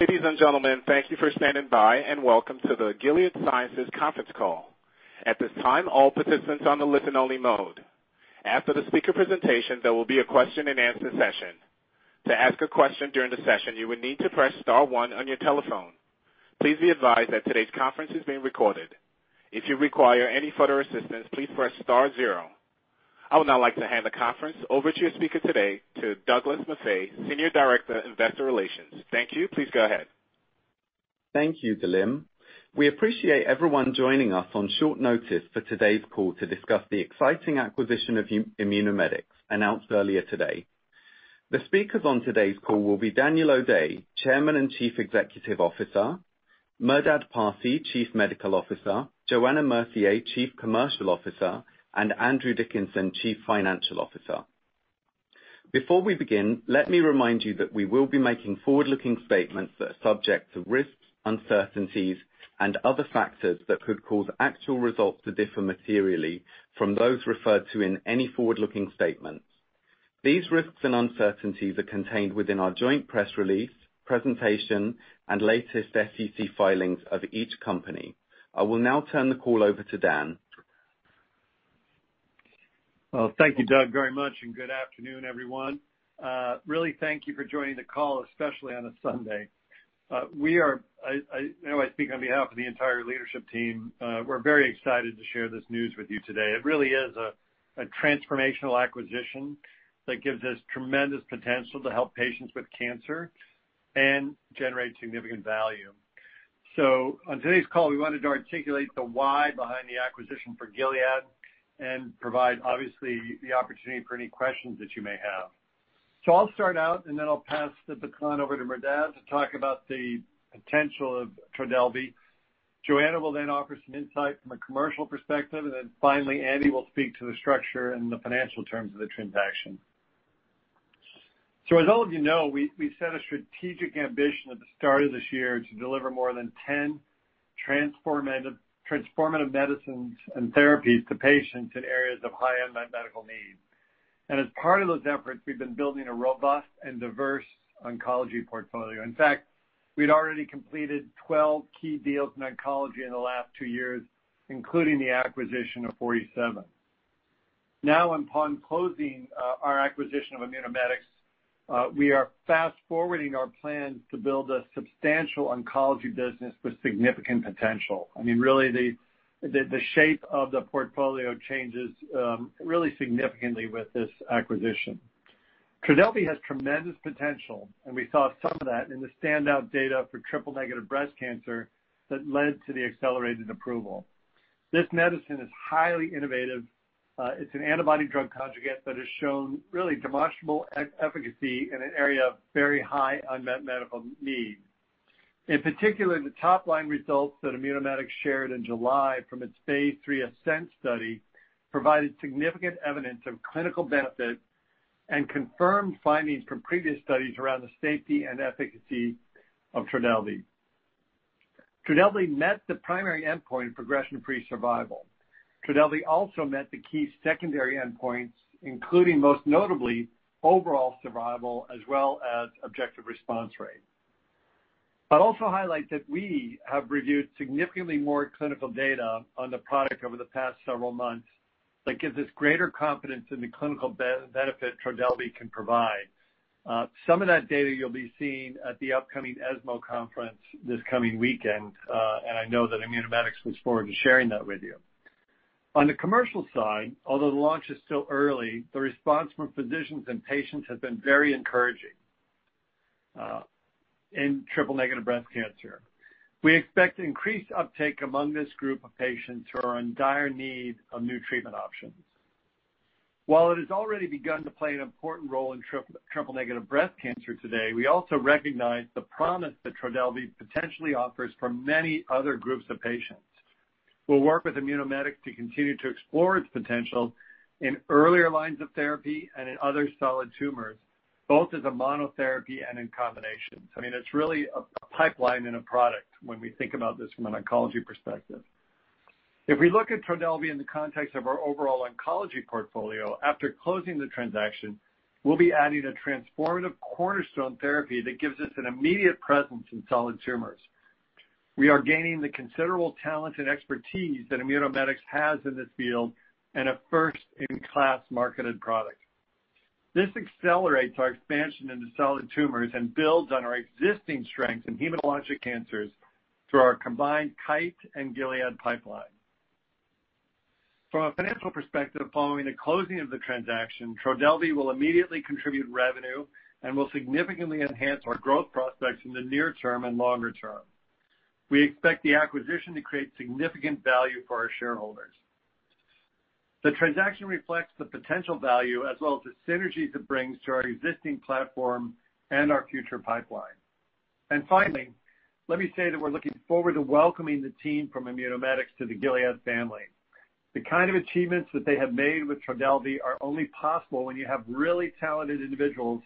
Ladies and gentlemen, thank you for standing by, and welcome to the Gilead Sciences conference call. I would now like to hand the conference over to your speaker today, to Douglas Maffei, Senior Director, Investor Relations. Thank you. Please go ahead. Thank you, Dilim. We appreciate everyone joining us on short notice for today's call to discuss the exciting acquisition of Immunomedics, announced earlier today. The speakers on today's call will be Daniel O'Day, Chairman and Chief Executive Officer, Merdad Parsey, Chief Medical Officer, Johanna Mercier, Chief Commercial Officer, and Andrew Dickinson, Chief Financial Officer. Before we begin, let me remind you that we will be making forward-looking statements that are subject to risks, uncertainties, and other factors that could cause actual results to differ materially from those referred to in any forward-looking statements. These risks and uncertainties are contained within our joint press release, presentation, and latest SEC filings of each company. I will now turn the call over to Dan. Well, thank you, Doug, very much, and good afternoon, everyone. Really, thank you for joining the call, especially on a Sunday. I know I speak on behalf of the entire leadership team. We're very excited to share this news with you today. It really is a transformational acquisition that gives us tremendous potential to help patients with cancer and generate significant value. On today's call, we wanted to articulate the why behind the acquisition for Gilead and provide obviously the opportunity for any questions that you may have. I'll start out, and then I'll pass the baton over to Merdad to talk about the potential of TRODELVY. Johanna will then offer some insight from a commercial perspective, and then finally, Andy will speak to the structure and the financial terms of the transaction. As all of you know, we set a strategic ambition at the start of this year to deliver more than 10 transformative medicines and therapies to patients in areas of high unmet medical need. As part of those efforts, we've been building a robust and diverse oncology portfolio. In fact, we'd already completed 12 key deals in oncology in the last two years, including the acquisition of Forty Seven. Now, upon closing our acquisition of Immunomedics, we are fast-forwarding our plans to build a substantial oncology business with significant potential. I mean, really, the shape of the portfolio changes really significantly with this acquisition. TRODELVY has tremendous potential, and we saw some of that in the standout Triple-Negative Breast Cancer that led to the accelerated approval. This medicine is highly innovative. It's an antibody drug conjugate that has shown really demonstrable efficacy in an area of very high unmet medical need. In particular, the top-line results that Immunomedics shared in July from its phase III ASCENT study provided significant evidence of clinical benefit and confirmed findings from previous studies around the safety and efficacy of TRODELVY. TRODELVY met the primary endpoint in progression-free survival. TRODELVY also met the key secondary endpoints, including, most notably, overall survival, as well as objective response rate. I'd also highlight that we have reviewed significantly more clinical data on the product over the past several months that gives us greater confidence in the clinical benefit TRODELVY can provide. Some of that data you'll be seeing at the upcoming ESMO conference this coming weekend, and I know that Immunomedics looks forward to sharing that with you. On the commercial side, although the launch is still early, the response from physicians and patients has been very encouraging in Triple-Negative Breast Cancer. We expect increased uptake among this group of patients who are in dire need of new treatment options. While it has already begun to play an important Triple-Negative Breast Cancer today, we also recognize the promise that TRODELVY potentially offers for many other groups of patients. We'll work with Immunomedics to continue to explore its potential in earlier lines of therapy and in other solid tumors, both as a monotherapy and in combinations. I mean, it's really a pipeline and a product when we think about this from an oncology perspective. If we look at TRODELVY in the context of our overall oncology portfolio, after closing the transaction, we'll be adding a transformative cornerstone therapy that gives us an immediate presence in solid tumors. We are gaining the considerable talent and expertise that Immunomedics has in this field and a first-in-class marketed product. This accelerates our expansion into solid tumors and builds on our existing strengths in hematologic cancers through our combined Kite and Gilead pipeline. From a financial perspective, following the closing of the transaction, TRODELVY will immediately contribute revenue and will significantly enhance our growth prospects in the near term and longer term. We expect the acquisition to create significant value for our shareholders. The transaction reflects the potential value as well as the synergies it brings to our existing platform and our future pipeline. Finally, let me say that we're looking forward to welcoming the team from Immunomedics to the Gilead family. The kind of achievements that they have made with TRODELVY are only possible when you have really talented individuals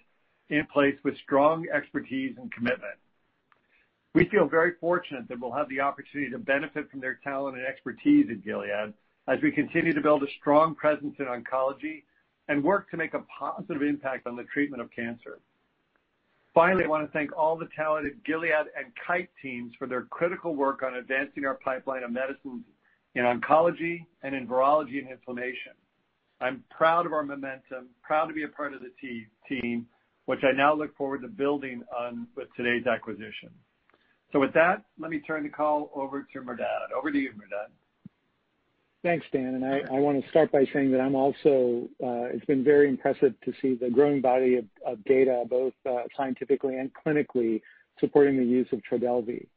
in place with strong expertise and commitment. We feel very fortunate that we'll have the opportunity to benefit from their talent and expertise at Gilead as we continue to build a strong presence in oncology. Work to make a positive impact on the treatment of cancer. Finally, I want to thank all the talented Gilead and Kite teams for their critical work on advancing our pipeline of medicines in oncology and in virology and inflammation. I'm proud of our momentum, proud to be a part of the team, which I now look forward to building on with today's acquisition. With that, let me turn the call over to Merdad. Over to you, Merdad. Thanks, Dan. I want to start by saying that it's been very impressive to see the growing body of data, both scientifically and clinically, supporting the use of TRODELVY.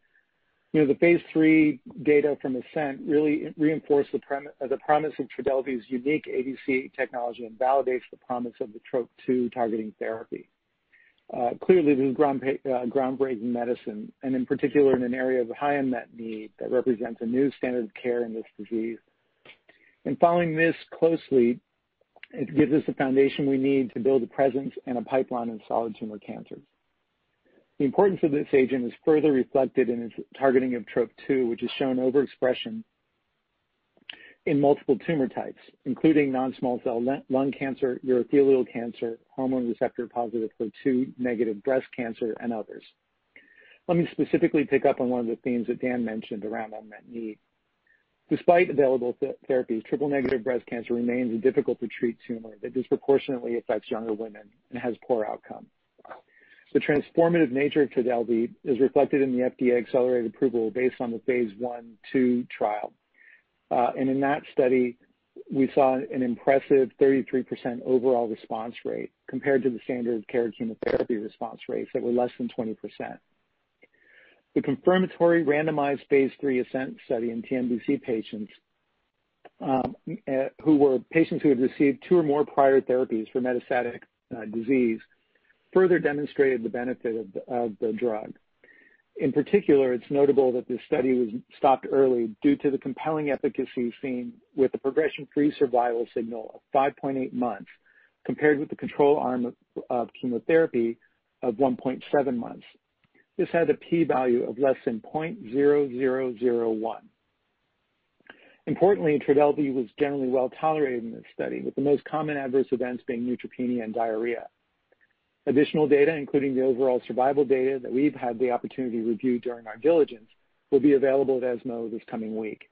The phase III data from ASCENT really reinforced the promise of TRODELVY's unique ADC technology and validates the promise of the Trop-2 targeting therapy. Clearly, this is groundbreaking medicine, in particular, in an area of a high unmet need that represents a new standard of care in this disease. In following this closely, it gives us the foundation we need to build a presence and a pipeline in solid tumor cancer. The importance of this agent is further reflected in its targeting of Trop-2, which has shown overexpression in multiple tumor types, including non-small cell lung cancer, urothelial cancer, hormone receptor-positive, HER2-negative breast cancer, others. Let me specifically pick up on one of the themes that Dan mentioned around unmet need. Despite available therapies, Triple-Negative Breast Cancer remains a difficult to treat tumor that disproportionately affects younger women and has poor outcome. The transformative nature of TRODELVY is reflected in the FDA accelerated approval based on the phase I/II trial. In that study, we saw an impressive 33% overall response rate compared to the standard of care chemotherapy response rates that were less than 20%. The confirmatory randomized phase III ASCENT study in TNBC patients, who were patients who had received two or more prior therapies for metastatic disease, further demonstrated the benefit of the drug. In particular, it's notable that this study was stopped early due to the compelling efficacy seen with the progression-free survival signal of 5.8 months, compared with the control arm of chemotherapy of 1.7 months. This had a P value of less than 0.0001. Importantly, TRODELVY was generally well-tolerated in this study, with the most common adverse events being neutropenia and diarrhea. Additional data, including the overall survival data that we've had the opportunity to review during our diligence, will be available at ESMO this coming week.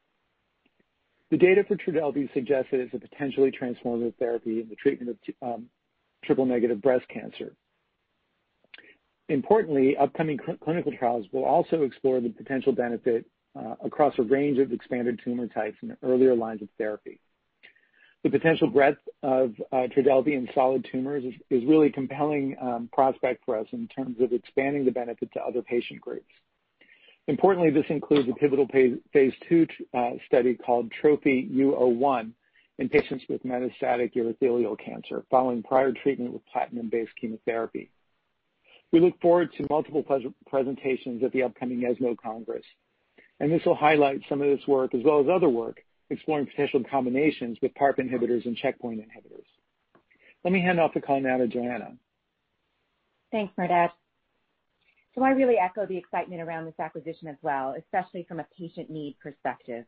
The data for TRODELVY suggests it is a potentially transformative therapy in the treatment of Triple-Negative Breast Cancer. Importantly, upcoming clinical trials will also explore the potential benefit across a range of expanded tumor types in the earlier lines of therapy. The potential breadth of TRODELVY in solid tumors is really a compelling prospect for us in terms of expanding the benefit to other patient groups. Importantly, this includes a pivotal phase II study called TROPHY-U-01 in patients with metastatic urothelial cancer following prior treatment with platinum-based chemotherapy. We look forward to multiple presentations at the upcoming ESMO Congress, and this will highlight some of this work as well as other work exploring potential combinations with PARP inhibitors and checkpoint inhibitors. Let me hand off the call now to Johanna. Thanks, Merdad. I really echo the excitement around this acquisition as well, especially from a patient need perspective.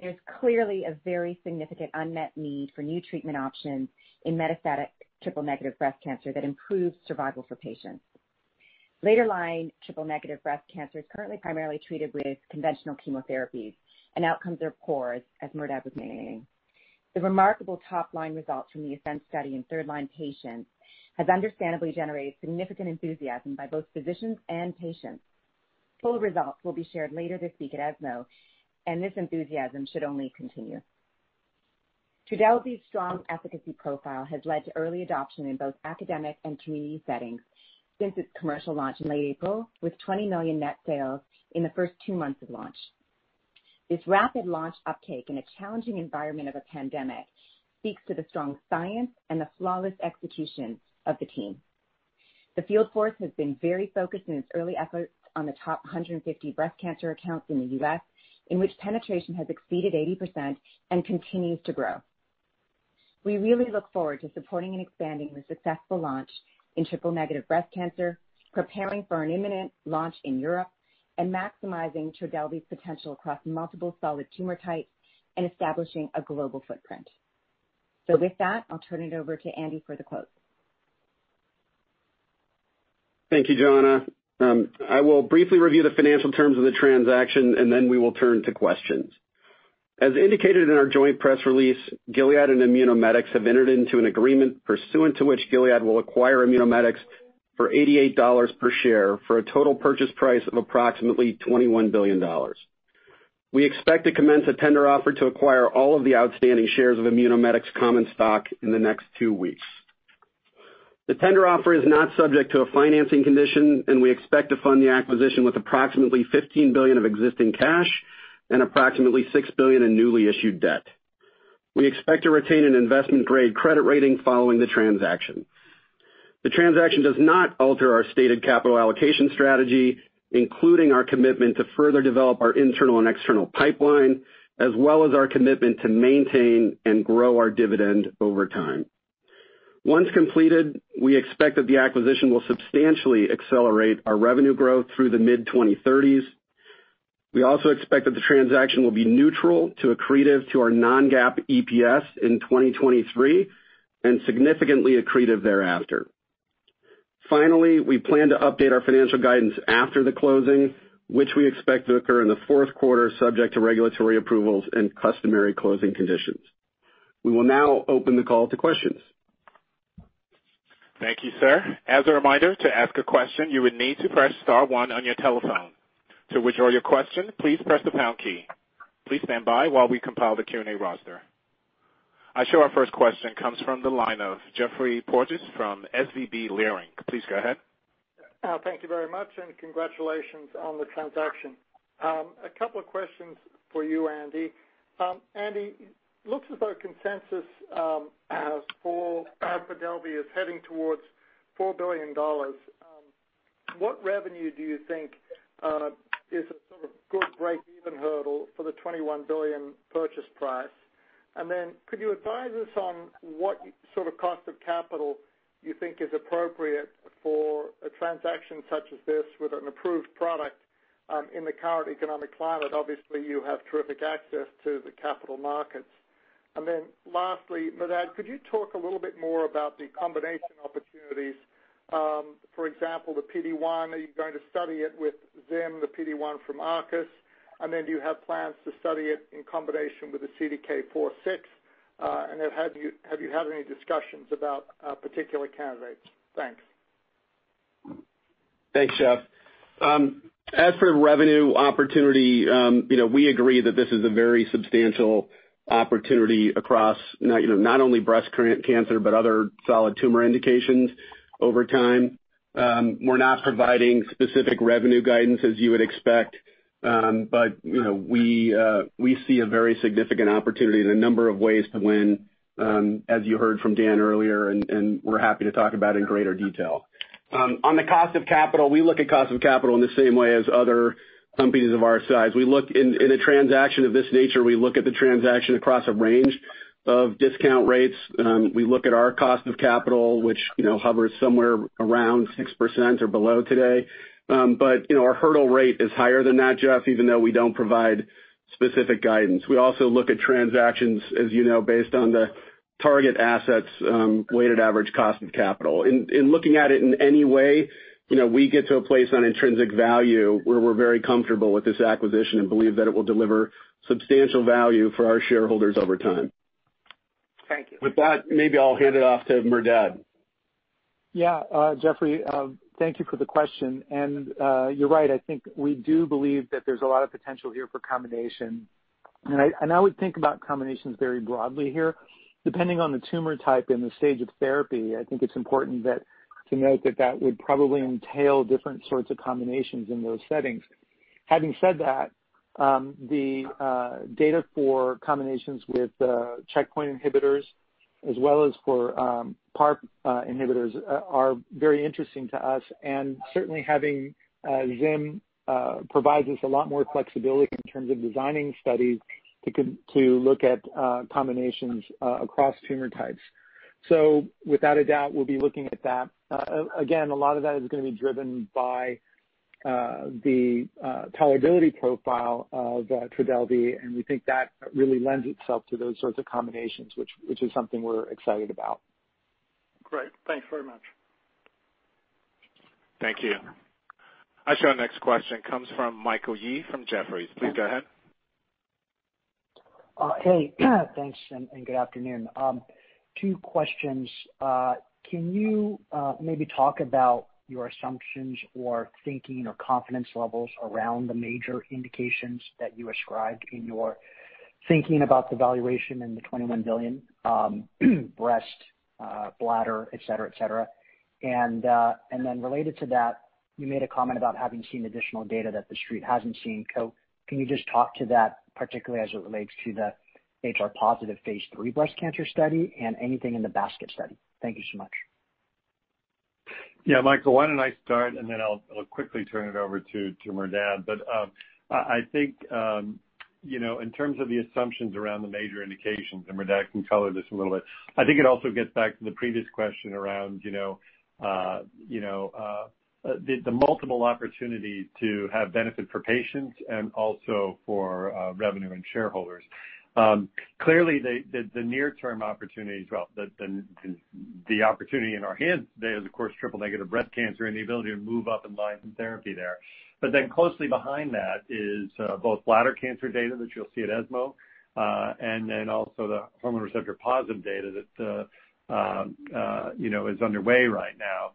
There is clearly a very significant unmet need for new treatment options in metastatic Triple-Negative Breast Cancer that improves survival for patients. Later line Triple-Negative Breast Cancer is currently primarily treated with conventional chemotherapies, and outcomes are poor, as Merdad was naming. The remarkable top-line results from the ASCENT study in third-line patients has understandably generated significant enthusiasm by both physicians and patients. Full results will be shared later this week at ESMO, and this enthusiasm should only continue. TRODELVY's strong efficacy profile has led to early adoption in both academic and community settings since its commercial launch in late April, with $20 million net sales in the first two months of launch. This rapid launch uptake in a challenging environment of a pandemic speaks to the strong science and the flawless execution of the team. The field force has been very focused in its early efforts on the top 150 breast cancer accounts in the U.S., in which penetration has exceeded 80% and continues to grow. We really look forward to supporting and expanding the successful launch in Triple-Negative Breast Cancer, preparing for an imminent launch in Europe, and maximizing TRODELVY's potential across multiple solid tumor types and establishing a global footprint. With that, I'll turn it over to Andy for the quotes. Thank you, Johanna. I will briefly review the financial terms of the transaction, and then we will turn to questions. As indicated in our joint press release, Gilead and Immunomedics have entered into an agreement pursuant to which Gilead will acquire Immunomedics for $88 per share for a total purchase price of approximately $21 billion. We expect to commence a tender offer to acquire all of the outstanding shares of Immunomedics' common stock in the next two weeks. The tender offer is not subject to a financing condition, and we expect to fund the acquisition with approximately $15 billion of existing cash and approximately $6 billion in newly issued debt. We expect to retain an investment-grade credit rating following the transaction. The transaction does not alter our stated capital allocation strategy, including our commitment to further develop our internal and external pipeline, as well as our commitment to maintain and grow our dividend over time. Once completed, we expect that the acquisition will substantially accelerate our revenue growth through the mid 2030s. We also expect that the transaction will be neutral to accretive to our non-GAAP EPS in 2023, and significantly accretive thereafter. Finally, we plan to update our financial guidance after the closing, which we expect to occur in the fourth quarter, subject to regulatory approvals and customary closing conditions. We will now open the call to questions. Thank you, sir. As a reminder, to ask a question, you would need to press star one on your telephone. To withdraw your question, please press the pound key. Please stand by while we compile the Q&A roster. I show our first question comes from the line of Geoffrey Porges from SVB Leerink. Please go ahead. Thank you very much, congratulations on the transaction. A couple of questions for you, Andy. Andy, looks as though consensus for TRODELVY is heading towards $4 billion. What revenue do you think is a sort of good break-even hurdle for the $21 billion purchase price? Could you advise us on what sort of cost of capital you think is appropriate for a transaction such as this with an approved product in the current economic climate? Obviously, you have terrific access to the capital markets. Lastly, Merdad, could you talk a little bit more about the combination opportunities? For example, the PD-1, are you going to study it with Zim, the PD-1 from Arcus? Do you have plans to study it in combination with the CDK4/6? Have you had any discussions about particular candidates? Thanks. Thanks, Geoffrey. As for revenue opportunity, we agree that this is a very substantial opportunity across not only breast cancer, but other solid tumor indications over time. We're not providing specific revenue guidance, as you would expect. We see a very significant opportunity and a number of ways to win, as you heard from Dan earlier, and we're happy to talk about in greater detail. On the cost of capital, we look at cost of capital in the same way as other companies of our size. In a transaction of this nature, we look at the transaction across a range of discount rates. We look at our cost of capital, which hovers somewhere around 6% or below today. Our hurdle rate is higher than that, Geoffrey, even though we don't provide specific guidance. We also look at transactions, as you know, based on the target asset's weighted average cost of capital. In looking at it in any way, we get to a place on intrinsic value where we're very comfortable with this acquisition and believe that it will deliver substantial value for our shareholders over time. Thank you. With that, maybe I'll hand it off to Merdad. Yeah, Geoffrey, thank you for the question. You're right. I think we do believe that there's a lot of potential here for combination. I would think about combinations very broadly here. Depending on the tumor type and the stage of therapy, I think it's important to note that that would probably entail different sorts of combinations in those settings. Having said that, the data for combinations with checkpoint inhibitors as well as for PARP inhibitors are very interesting to us, and certainly having zimberelimab provides us a lot more flexibility in terms of designing studies to look at combinations across tumor types. Without a doubt, we'll be looking at that. Again, a lot of that is going to be driven by the tolerability profile of TRODELVY, and we think that really lends itself to those sorts of combinations, which is something we're excited about. Great. Thanks very much. Thank you. I show our next question comes from Michael Yee from Jefferies. Please go ahead. Hey. Thanks, and good afternoon. Two questions. Can you maybe talk about your assumptions or thinking or confidence levels around the major indications that you ascribed in your thinking about the valuation in the $21 billion, breast, bladder, et cetera? Related to that, you made a comment about having seen additional data that the Street hasn't seen. Can you just talk to that, particularly as it relates to the HR-positive phase III breast cancer study and anything in the basket study? Thank you so much. Yeah, Michael, why don't I start, and then I'll quickly turn it over to Merdad. I think in terms of the assumptions around the major indications, and Merdad can color this a little bit, I think it also gets back to the previous question around the multiple opportunities to have benefit for patients and also for revenue and shareholders. Clearly, the near-term opportunity as well, the opportunity in our hands today is, of course, Triple-Negative Breast Cancer and the ability to move up in lines of therapy there. Closely behind that is both bladder cancer data that you'll see at ESMO, and then also the hormone receptor-positive data that is underway right now.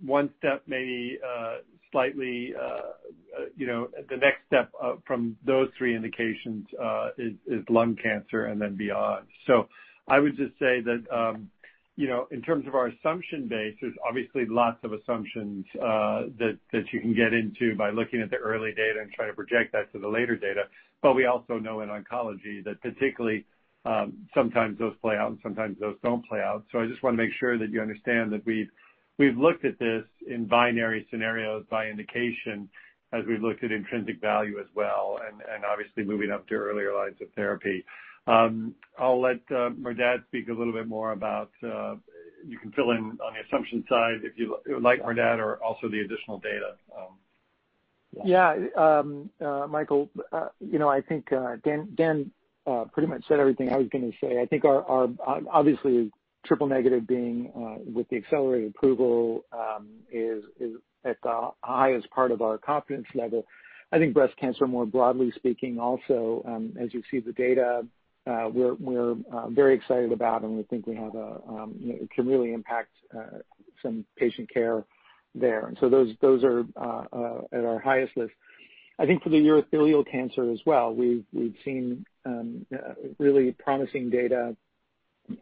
One step maybe the next step from those three indications is lung cancer and then beyond. I would just say that in terms of our assumption base, there's obviously lots of assumptions that you can get into by looking at the early data and trying to project that to the later data. We also know in oncology that particularly sometimes those play out and sometimes those don't play out. I just want to make sure that you understand that we've looked at this in binary scenarios by indication as we've looked at intrinsic value as well, and obviously moving up to earlier lines of therapy. I'll let Merdad speak a little bit more about. You can fill in on the assumption side if you like, Merdad, or also the additional data. Yeah. Michael, I think Dan pretty much said everything I was going to say. I think, obviously, Triple-Negative being with the accelerated approval is at the highest part of our confidence level. I think breast cancer, more broadly speaking, also as you see the data, we're very excited about and we think it can really impact some patient care there. Those are at our highest list. I think for the urothelial cancer as well, we've seen really promising data.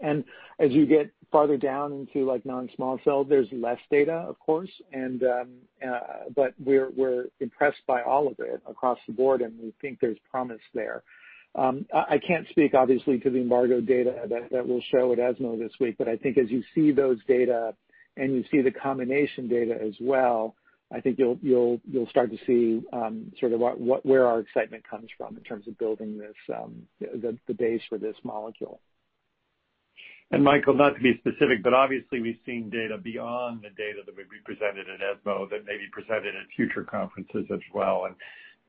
As you get farther down into non-small cell, there's less data, of course, but we're impressed by all of it across the board, and we think there's promise there. I can't speak obviously to the embargoed data that will show at ESMO this week, but I think as you see those data and you see the combination data as well, I think you'll start to see sort of where our excitement comes from in terms of building the base for this molecule. Michael, not to be specific, but obviously we've seen data beyond the data that will be presented at ESMO that may be presented at future conferences as well.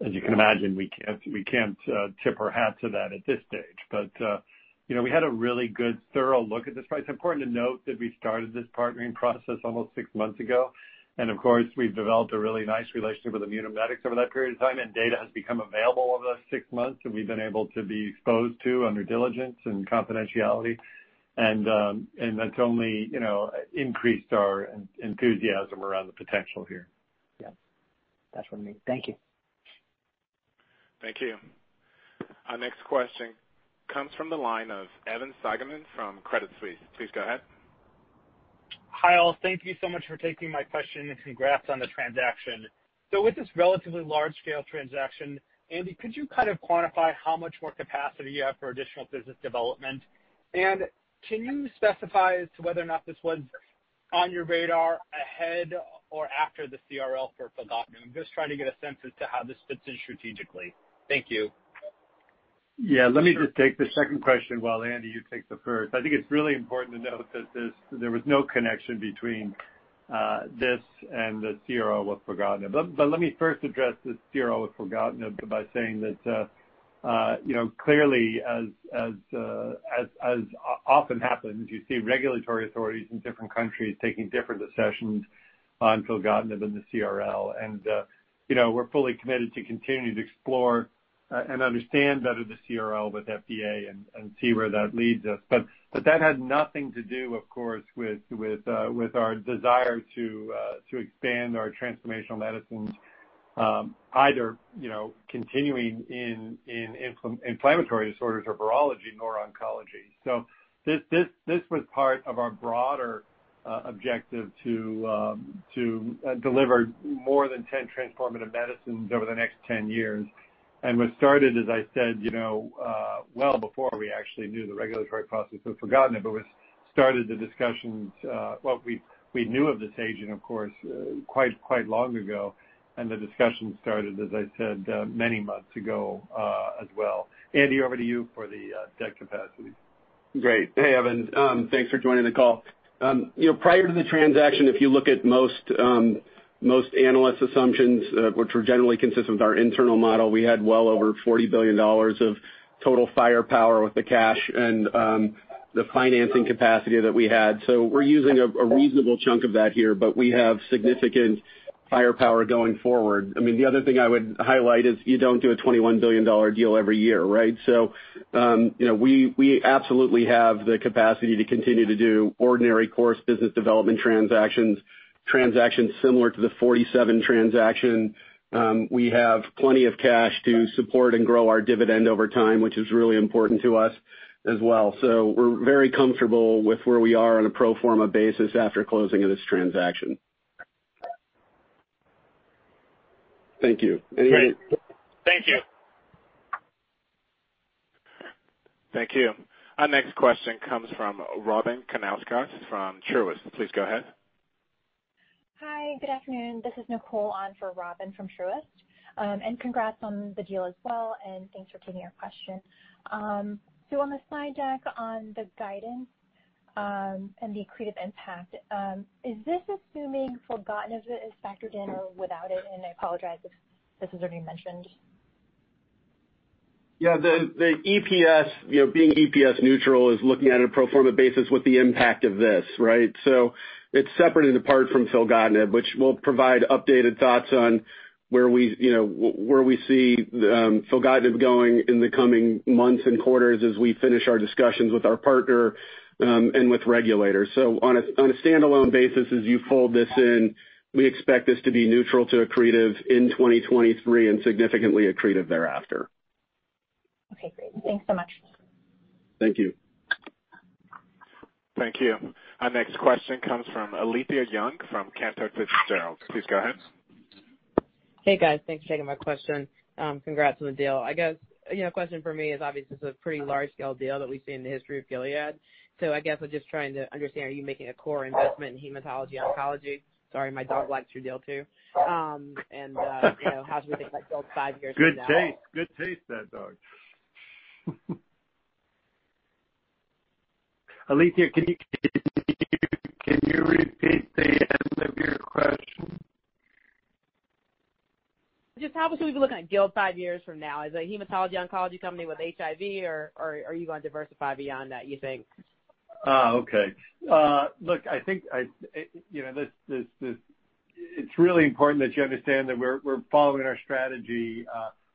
As you can imagine, we can't tip our hat to that at this stage. We had a really good thorough look at this. It's important to note that we started this partnering process almost six months ago, and of course, we've developed a really nice relationship with Immunomedics over that period of time, and data has become available over those six months that we've been able to be exposed to under diligence and confidentiality. That's only increased our enthusiasm around the potential here. Yeah. That's what I mean. Thank you. Thank you. Our next question comes from the line of Evan Seigerman from Credit Suisse. Please go ahead. Hi, all. Thank you so much for taking my question. Congrats on the transaction. With this relatively large-scale transaction, Andy, could you kind of quantify how much more capacity you have for additional business development? Can you specify as to whether or not this was on your radar ahead or after the CRL for filgotinib? I'm just trying to get a sense as to how this fits in strategically. Thank you. Yeah, let me just take the second question while Andy, you take the first. I think it's really important to note that there was no connection between this and the CRL with filgotinib. Let me first address the CRL with filgotinib by saying that clearly as often happens, you see regulatory authorities in different countries taking different positions on filgotinib and the CRL. We're fully committed to continuing to explore and understand better the CRL with FDA and see where that leads us. That had nothing to do, of course, with our desire to expand our transformational medicines either continuing in inflammatory disorders or virology nor oncology. This was part of our broader objective to deliver more than 10 transformative medicines over the next 10 years. Was started, as I said, well before we actually knew the regulatory process of filgotinib. We knew of this agent, of course, quite long ago, and the discussions started, as I said, many months ago as well. Andy, over to you for the debt capacity. Great. Hey, Evan. Thanks for joining the call. Prior to the transaction, if you look at most analyst assumptions, which were generally consistent with our internal model, we had well over $40 billion of total firepower with the cash and the financing capacity that we had. We're using a reasonable chunk of that here, but we have significant firepower going forward. The other thing I would highlight is you don't do a $21 billion deal every year, right? We absolutely have the capacity to continue to do ordinary course business development transactions similar to the Forty Seven transaction. We have plenty of cash to support and grow our dividend over time, which is really important to us as well. We're very comfortable with where we are on a pro forma basis after closing of this transaction. Thank you. Great. Thank you. Thank you. Our next question comes from Robyn Karnauskas from Truist. Please go ahead. Hi, good afternoon. This is Nicole on for Robyn from Truist. Congrats on the deal as well, and thanks for taking our question. On the slide deck on the guidance and the accretive impact, is this assuming filgotinib is factored in or without it? I apologize if this was already mentioned. Yeah. The EPS, being EPS neutral is looking at a pro forma basis with the impact of this, right? It's separate and apart from filgotinib, which we'll provide updated thoughts on where we see filgotinib going in the coming months and quarters as we finish our discussions with our partner and with regulators. On a standalone basis as you fold this in, we expect this to be neutral to accretive in 2023 and significantly accretive thereafter. Okay, great. Thanks so much. Thank you. Thank you. Our next question comes from Alethia Young from Cantor Fitzgerald. Please go ahead. Hey, guys, thanks for taking my question. Congrats on the deal. I guess a question for me is obviously this is a pretty large-scale deal that we see in the history of Gilead. I guess I'm just trying to understand, are you making a core investment in hematology oncology? Sorry, my dog likes your deal, too. How should we think that builds five years from now? Good taste. Good taste, that dog. Alethia, can you repeat the end of your question? Just how should we be looking at Gilead five years from now? As a hematology oncology company with HIV, or are you going to diversify beyond that, you think? Okay. Look, I think it's really important that you understand that we're following our strategy,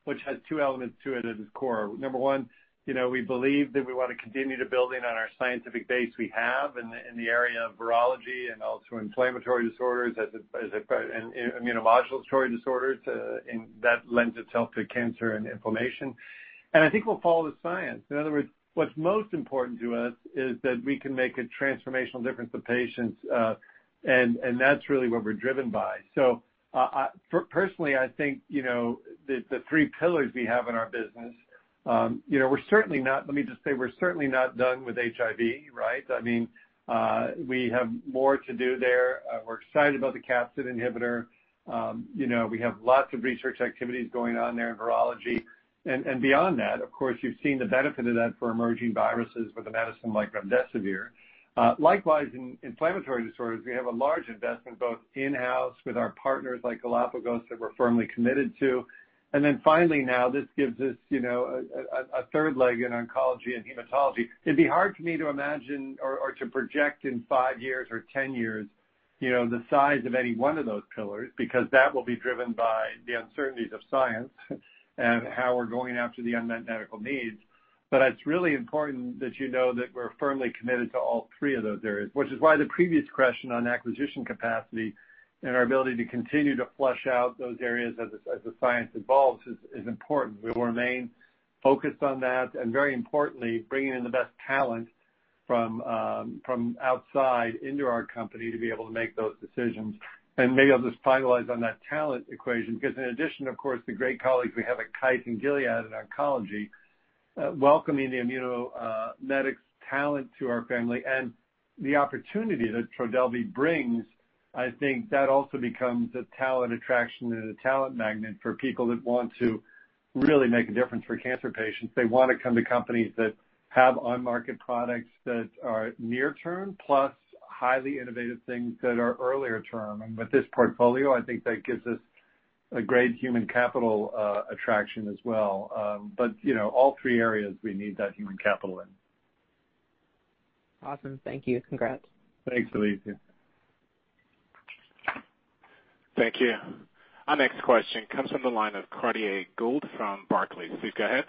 which has two elements to it at its core. Number one, we believe that we want to continue to build in on our scientific base we have in the area of virology and also inflammatory disorders as immunomodulatory disorders, and that lends itself to cancer and inflammation. I think we'll follow the science. In other words, what's most important to us is that we can make a transformational difference to patients, and that's really what we're driven by. Personally, I think, the three pillars we have in our business, let me just say, we're certainly not done with HIV, right? We have more to do there. We're excited about the capsid inhibitor. We have lots of research activities going on there in virology. Beyond that, of course, you've seen the benefit of that for emerging viruses with a medicine like remdesivir. Likewise, in inflammatory disorders, we have a large investment both in-house with our partners like Galapagos that we're firmly committed to. Finally, now this gives us a third leg in oncology and hematology. It'd be hard for me to imagine or to project in five years or 10 years the size of any one of those pillars, because that will be driven by the uncertainties of science and how we're going after the unmet medical needs. It's really important that you know that we're firmly committed to all three of those areas, which is why the previous question on acquisition capacity and our ability to continue to flush out those areas as the science evolves is important. We'll remain focused on that, very importantly, bringing in the best talent from outside into our company to be able to make those decisions. Maybe I'll just finalize on that talent equation, because in addition, of course, the great colleagues we have at Kite and Gilead in oncology welcoming the Immunomedics talent to our family and the opportunity that TRODELVY brings, I think that also becomes a talent attraction and a talent magnet for people that want to really make a difference for cancer patients. They want to come to companies that have on-market products that are near term, plus highly innovative things that are earlier term. With this portfolio, I think that gives us a great human capital attraction as well. All three areas we need that human capital in. Awesome. Thank you. Congrats. Thanks, Alethia. Thank you. Our next question comes from the line of Carter Gould from Barclays. Please go ahead.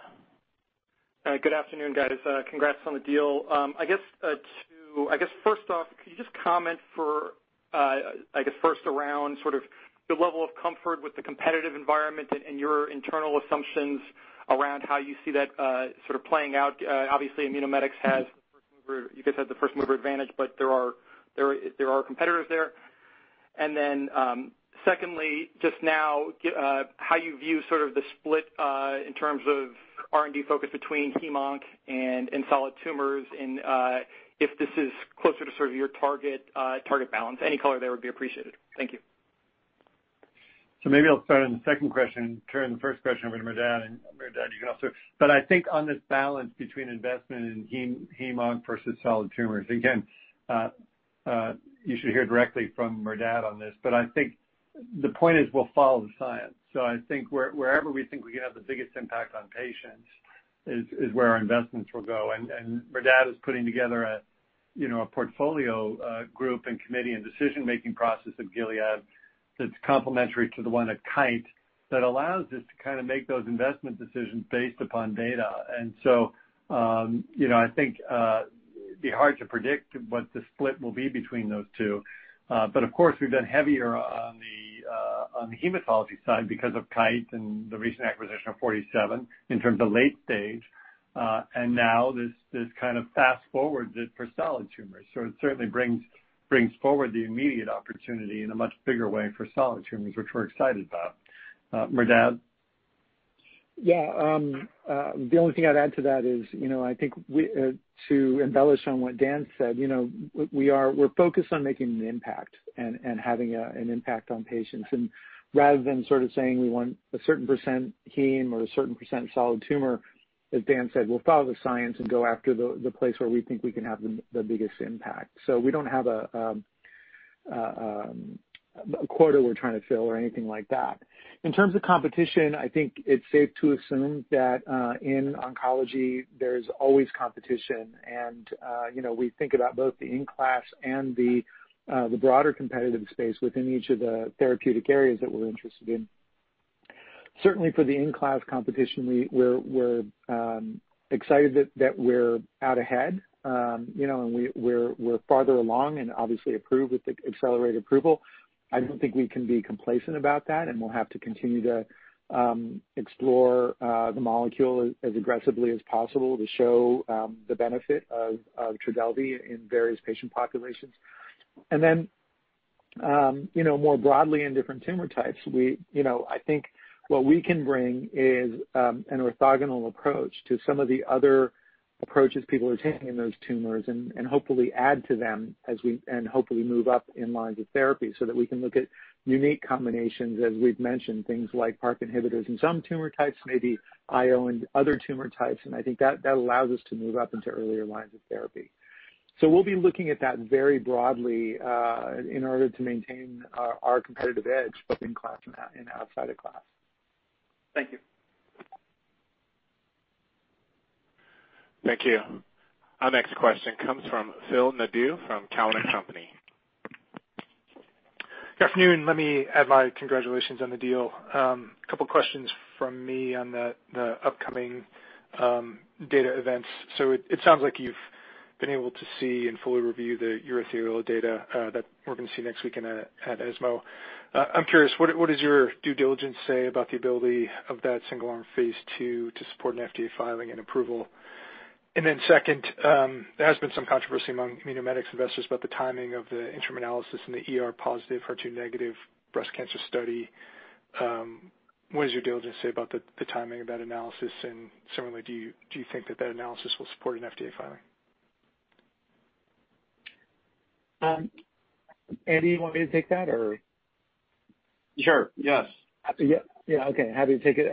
Good afternoon, guys. Congrats on the deal. I guess first off, could you just comment for, I guess first around sort of the level of comfort with the competitive environment and your internal assumptions around how you see that sort of playing out? Obviously, Immunomedics has the first mover advantage, but there are competitors there. Then secondly, just now how you view sort of the split in terms of R&D focus between hemonc and in solid tumors and if this is closer to sort of your target balance. Any color there would be appreciated. Thank you. Maybe I'll start on the second question, turn the first question over to Merdad, and Merdad, you can also But I think on this balance between investment in hemonc versus solid tumors, again, you should hear directly from Merdad on this, but I think the point is we'll follow the science. I think wherever we think we can have the biggest impact on patients is where our investments will go. Merdad is putting together a portfolio group and committee and decision-making process at Gilead that's complementary to the one at Kite that allows us to kind of make those investment decisions based upon data. I think, it'd be hard to predict what the split will be between those two. Of course, we've done heavier on the hematology side because of Kite and the recent acquisition of Forty Seven in terms of late stage. Now this kind of fast-forwards it for solid tumors. It certainly brings forward the immediate opportunity in a much bigger way for solid tumors, which we're excited about. Merdad? Yeah. The only thing I'd add to that is I think to embellish on what Dan said, we're focused on making an impact and having an impact on patients, and rather than sort of saying we want a certain percent heme or a certain percent solid tumor, as Dan said, we'll follow the science and go after the place where we think we can have the biggest impact. We don't have a quota we're trying to fill or anything like that. In terms of competition, I think it's safe to assume that in oncology, there's always competition. We think about both the in-class and the broader competitive space within each of the therapeutic areas that we're interested in. Certainly, for the in-class competition, we're excited that we're out ahead, and we're farther along and obviously approved with the accelerated approval. I don't think we can be complacent about that. We'll have to continue to explore the molecule as aggressively as possible to show the benefit of TRODELVY in various patient populations. More broadly in different tumor types, I think what we can bring is an orthogonal approach to some of the other approaches people are taking in those tumors and hopefully add to them and hopefully move up in lines of therapy so that we can look at unique combinations, as we've mentioned, things like PARP inhibitors in some tumor types, maybe IO in other tumor types. I think that allows us to move up into earlier lines of therapy. We'll be looking at that very broadly in order to maintain our competitive edge, both in class and outside of class. Thank you. Thank you. Our next question comes from Phil Nadeau from Cowen and Company. Good afternoon. Let me add my congratulations on the deal. Couple questions from me on the upcoming data events. It sounds like you've been able to see and fully review the urothelial data that we're going to see next week at ESMO. I'm curious, what does your due diligence say about the ability of that single-arm phase II to support an FDA filing and approval? Second, there has been some controversy among Immunomedics investors about the timing of the interim analysis and the ER positive, HER2 negative breast cancer study. What does your due diligence say about the timing of that analysis? Similarly, do you think that that analysis will support an FDA filing? Andy, you want me to take that? Sure. Yes. Okay, happy to take it.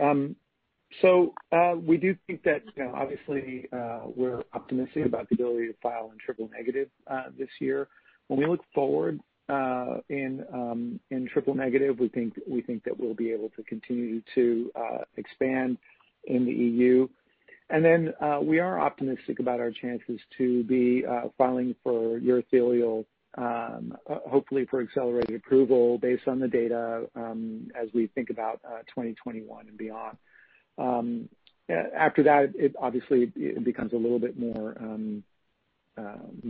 We do think that, obviously, we're optimistic about the ability to file in triple negative this year. When we look forward in triple negative, we think that we'll be able to continue to expand in the EU. We are optimistic about our chances to be filing for urothelial, hopefully for accelerated approval based on the data as we think about 2021 and beyond. After that, obviously, it becomes a little bit more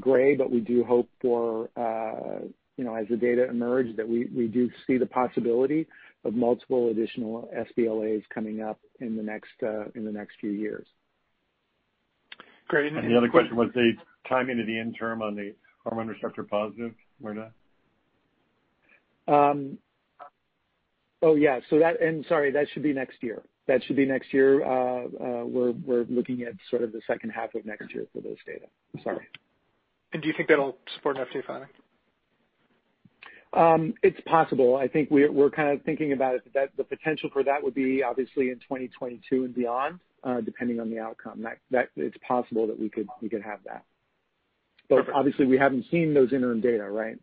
gray. We do hope for, as the data emerge, that we do see the possibility of multiple additional sBLAs coming up in the next few years. Great. The other question was the timing of the interim on the hormone receptor positive, Merdad? Oh, yeah. Sorry, that should be next year. We're looking at sort of the second half of next year for those data. I'm sorry. Do you think that'll support an FDA filing? It's possible. I think we're kind of thinking about it that the potential for that would be obviously in 2022 and beyond, depending on the outcome. It's possible that we could have that. Obviously we haven't seen those interim data, right?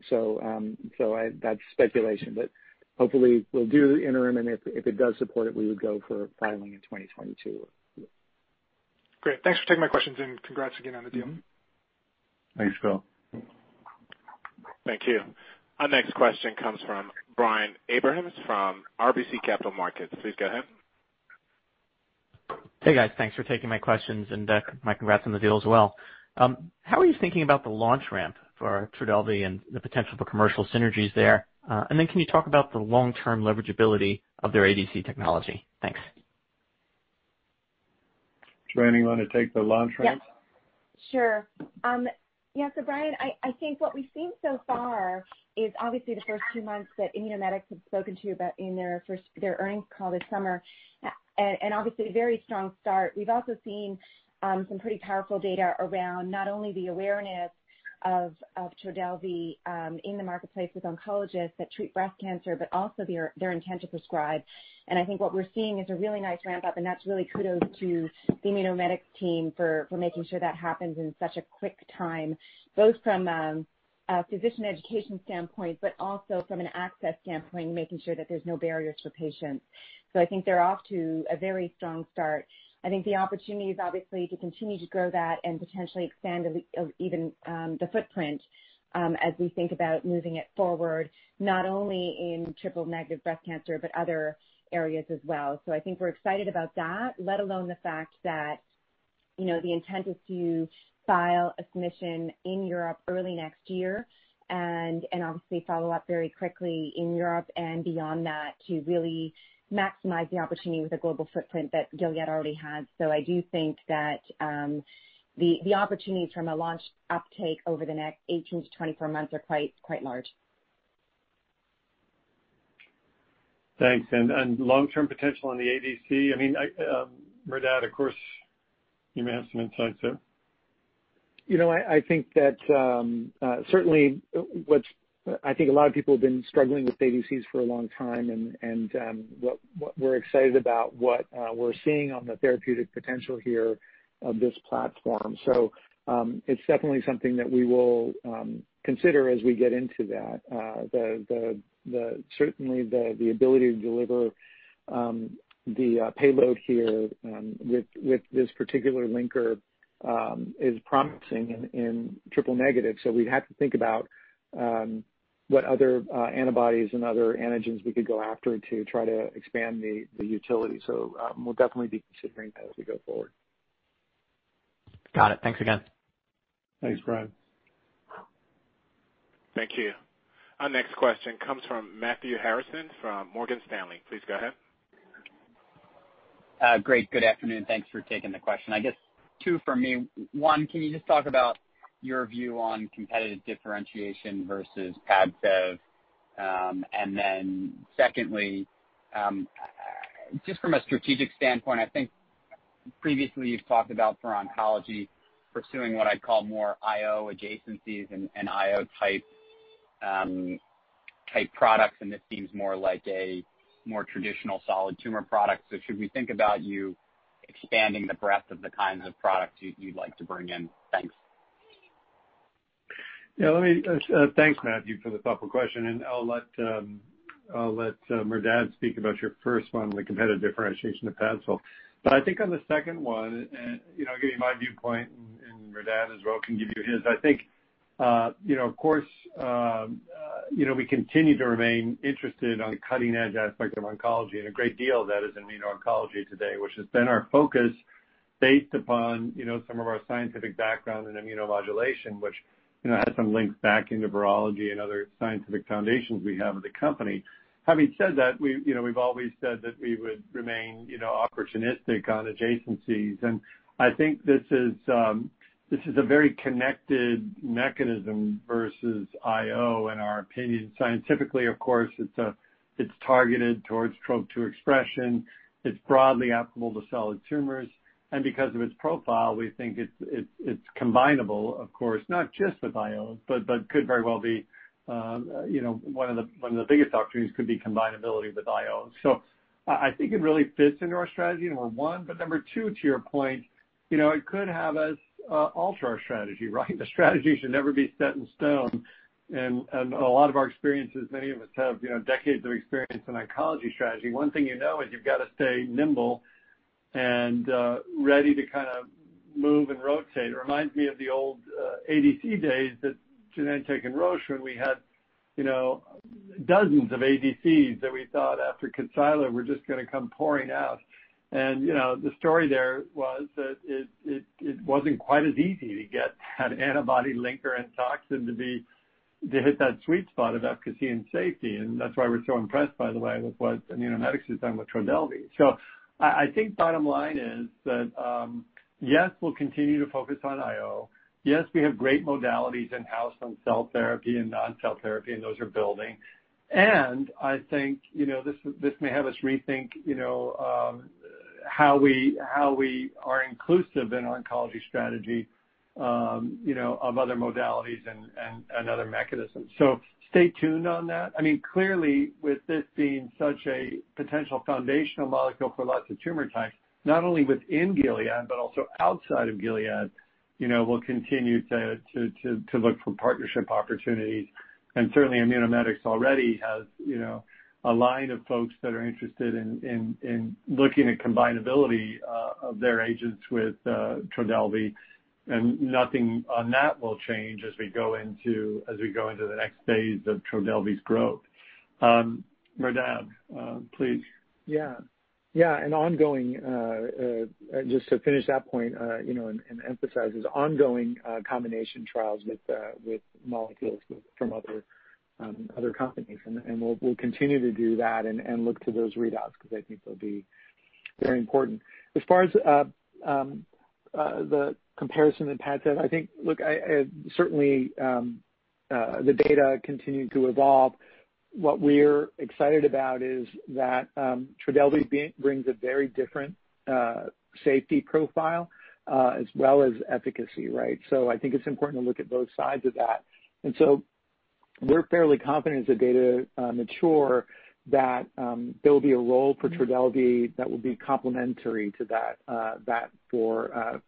That's speculation, but hopefully we'll do the interim and if it does support it, we would go for filing in 2022. Great. Thanks for taking my questions and congrats again on the deal. Thanks, Phil. Thank you. Our next question comes from Brian Abrahams from RBC Capital Markets. Please go ahead. Hey, guys. Thanks for taking my questions and my congrats on the deal as well. How are you thinking about the launch ramp for TRODELVY and the potential for commercial synergies there? Can you talk about the long-term leveragability of their ADC technology? Thanks. Johanna, you want to take the launch ramp? Yeah. Sure. Yeah. Brian, I think what we've seen so far is obviously the first two months that Immunomedics had spoken to you about in their earnings call this summer, and obviously a very strong start. We've also seen some pretty powerful data around not only the awareness of TRODELVY in the marketplace with oncologists that treat breast cancer, but also their intent to prescribe. I think what we're seeing is a really nice ramp up, and that's really kudos to the Immunomedics team for making sure that happens in such a quick time, both from a physician education standpoint, but also from an access standpoint, making sure that there's no barriers for patients. I think they're off to a very strong start. I think the opportunity is obviously to continue to grow that and potentially expand even the footprint as we think about moving it forward, not only in Triple-Negative Breast Cancer, but other areas as well. I think we're excited about that, let alone the fact that the intent is to file a submission in Europe early next year and obviously follow up very quickly in Europe and beyond that to really maximize the opportunity with the global footprint that Gilead already has. I do think that the opportunities from a launch uptake over the next 18 to 24 months are quite large. Thanks. Long-term potential on the ADC, I mean, Merdad, of course, you may have some insights there. I think that certainly what I think a lot of people have been struggling with ADCs for a long time and what we're excited about what we're seeing on the therapeutic potential here of this platform. It's definitely something that we will consider as we get into that. Certainly the ability to deliver the payload here with this particular linker is promising in triple negative. We'd have to think about what other antibodies and other antigens we could go after to try to expand the utility. We'll definitely be considering that as we go forward. Got it. Thanks again. Thanks, Brian. Thank you. Our next question comes from Matthew Harrison from Morgan Stanley. Please go ahead. Great. Good afternoon. Thanks for taking the question. I guess two from me. One, can you just talk about your view on competitive differentiation versus PADCEV? Then secondly, just from a strategic standpoint, I think previously you've talked about for oncology pursuing what I'd call more IO adjacencies and IO type products, this seems more like a more traditional solid tumor product. Should we think about you expanding the breadth of the kinds of products you'd like to bring in? Thanks. Yeah. Thanks, Matthew, for the thoughtful question. I'll let Merdad speak about your first one, the competitive differentiation of PADCEV. I think on the second one, I'll give you my viewpoint. Merdad as well can give you his. I think, of course, we continue to remain interested on cutting edge aspects of oncology. A great deal of that is immuno-oncology today, which has been our focus based upon some of our scientific background in immunomodulation, which has some links back into virology and other scientific foundations we have at the company. Having said that, we've always said that we would remain opportunistic on adjacencies. I think this is a very connected mechanism versus IO, in our opinion. Scientifically, of course, it's targeted towards Trop-2 expression. It's broadly applicable to solid tumors. Because of its profile, we think it's combinable, of course, not just with IO, but could very well be one of the biggest opportunities could be combinability with IO. I think it really fits into our strategy, number one. Number two, to your point, it could have us alter our strategy, right? A strategy should never be set in stone. A lot of our experiences, many of us have decades of experience in oncology strategy. One thing you know is you've got to stay nimble and ready to kind of move and rotate. It reminds me of the old ADC days at Genentech and Roche, when we had dozens of ADCs that we thought after KADCYLA, were just going to come pouring out. The story there was that it wasn't quite as easy to get that antibody linker and toxin to hit that sweet spot of efficacy and safety. That's why we're so impressed, by the way, with what Immunomedics has done with TRODELVY. I think bottom line is that, yes, we'll continue to focus on IO. Yes, we have great modalities in-house on cell therapy and non-cell therapy, and those are building. I think this may have us rethink how we are inclusive in oncology strategy of other modalities and other mechanisms. Stay tuned on that. Clearly, with this being such a potential foundational molecule for lots of tumor types, not only within Gilead, but also outside of Gilead, we'll continue to look for partnership opportunities. Certainly Immunomedics already has a line of folks that are interested in looking at combinability of their agents with TRODELVY, and nothing on that will change as we go into the next phase of TRODELVY's growth. Merdad, please. Yeah. Just to finish that point, and emphasize is ongoing combination trials with molecules from other companies, and we'll continue to do that and look to those readouts because I think they'll be very important. As far as the comparison that Dan said, I think, look, certainly the data continue to evolve. What we're excited about is that TRODELVY brings a very different safety profile as well as efficacy, right? I think it's important to look at both sides of that. We're fairly confident as the data mature, that there will be a role for TRODELVY that will be complementary to that for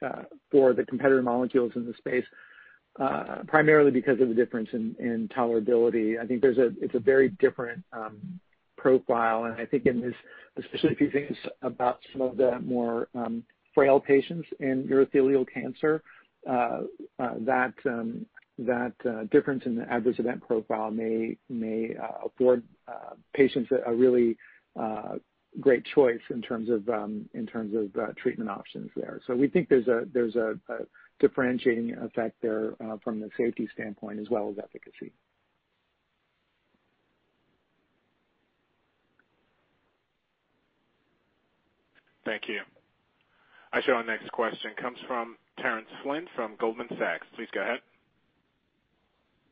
the competitor molecules in the space, primarily because of the difference in tolerability. I think it's a very different profile, and I think in this, especially if you think about some of the more frail patients in urothelial cancer, that difference in the adverse event profile may afford patients a really great choice in terms of the treatment options there. We think there's a differentiating effect there from the safety standpoint as well as efficacy. Thank you. I show our next question comes from Terence Flynn from Goldman Sachs. Please go ahead.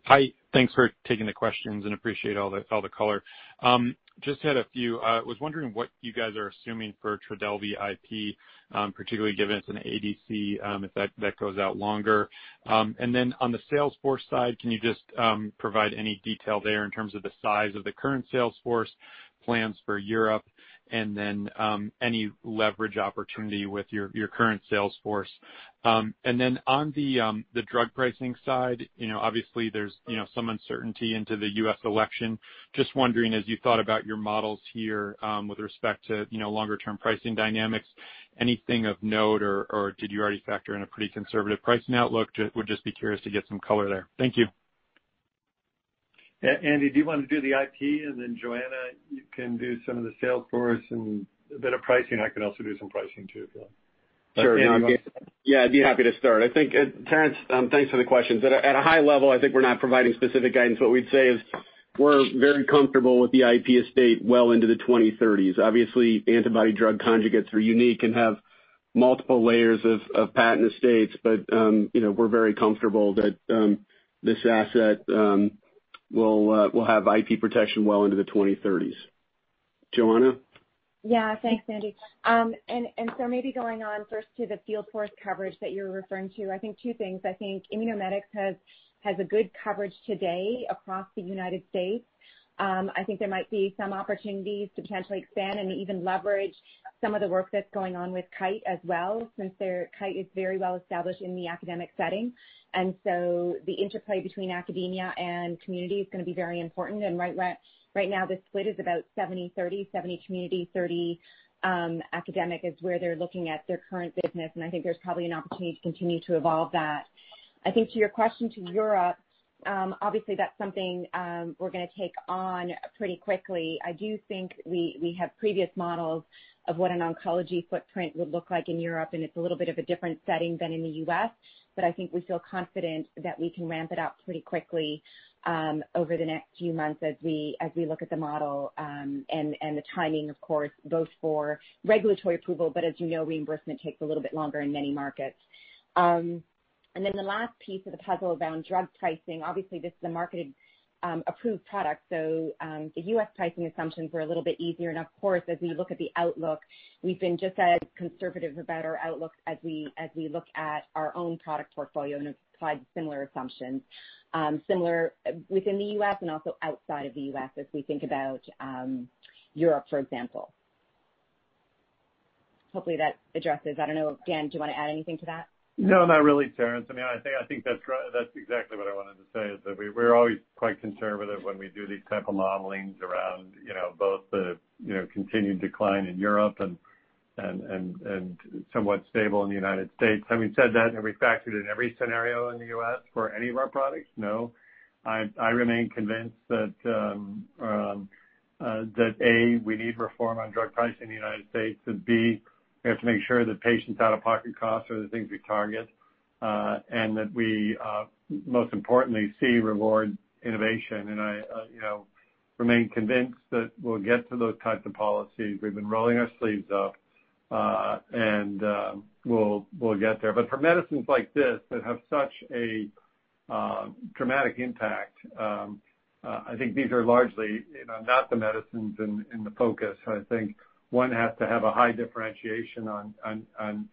Hi. Thanks for taking the questions and appreciate all the color. Just had a few. I was wondering what you guys are assuming for TRODELVY IP, particularly given it's an ADC, if that goes out longer. Then on the sales force side, can you just provide any detail there in terms of the size of the current sales force, plans for Europe, and then any leverage opportunity with your current sales force? Then on the drug pricing side, obviously there's some uncertainty into the U.S. election. Just wondering, as you thought about your models here with respect to longer term pricing dynamics, anything of note or did you already factor in a pretty conservative pricing outlook? Would just be curious to get some color there. Thank you. Andy, do you want to do the IP, and then Johanna, you can do some of the sales force and a bit of pricing. I can also do some pricing too, if you like. Sure. Yeah, I'd be happy to start. Terence, thanks for the questions. At a high level, I think we're not providing specific guidance. What we'd say is we're very comfortable with the IP estate well into the 2030s. Obviously, antibody-drug conjugates are unique and have multiple layers of patent estates. We're very comfortable that this asset will have IP protection well into the 2030s. Johanna? Yeah. Thanks, Andy. Maybe going on first to the field force coverage that you're referring to, I think two things. I think Immunomedics has a good coverage today across the U.S. I think there might be some opportunities to potentially expand and even leverage some of the work that's going on with Kite as well, since Kite is very well established in the academic setting. The interplay between academia and community is going to be very important. Right now, the split is about 70/30. 70 community, 30 academic is where they're looking at their current business, and I think there's probably an opportunity to continue to evolve that. I think to your question to Europe, obviously that's something we're going to take on pretty quickly. I do think we have previous models of what an oncology footprint would look like in Europe. It's a little bit of a different setting than in the U.S., I think we feel confident that we can ramp it up pretty quickly over the next few months as we look at the model, and the timing, of course, both for regulatory approval. As you know, reimbursement takes a little bit longer in many markets. The last piece of the puzzle around drug pricing, obviously this is a marketed approved product, so the U.S. pricing assumptions were a little bit easier. Of course, as we look at the outlook, we've been just as conservative about our outlook as we look at our own product portfolio and applied similar assumptions. Similar within the U.S. and also outside of the U.S. as we think about Europe, for example. Hopefully that addresses. I don't know, Dan, do you want to add anything to that? No, not really, Terence. I think that's exactly what I wanted to say, is that we're always quite concerned with it when we do these type of modelings around both the continued decline in Europe and somewhat stable in the United States. Having said that, have we factored in every scenario in the U.S. for any of our products? No. I remain convinced that, A, we need reform on drug pricing in the United States, and B, we have to make sure that patients' out-of-pocket costs are the things we target, and that we, most importantly, C, reward innovation. I remain convinced that we'll get to those types of policies. We've been rolling our sleeves up, and we'll get there. For medicines like this that have such a dramatic impact, I think these are largely not the medicines in the focus. I think one has to have a high differentiation on